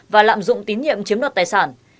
và lạm dụng tín nhiệm chiếm đoạt tài sản